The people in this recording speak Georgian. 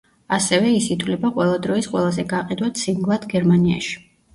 ასევე ის ითვლება ყველა დროის ყველაზე გაყიდვად სინგლად გერმანიაში.